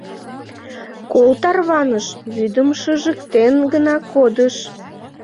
Кол тарваныш, вӱдым шыжыктен гына кодыш.